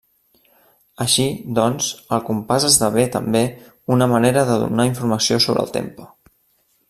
Així, doncs, el compàs esdevé, també, una manera de donar informació sobre el tempo.